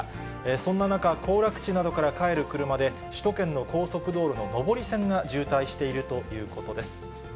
そんな中、行楽地などから帰る車で、首都圏の高速道路の上り線が渋滞しているということです。